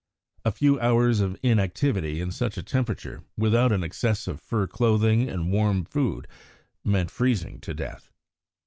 A few hours of inactivity in such a temperature, without an excess of fur clothing and warm food, meant freezing to death.